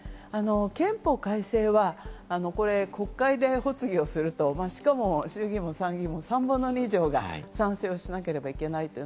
憲法改正は国会で発議すると衆院の３分の２以上が賛成しなければいけない。